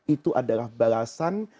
itu adalah balasan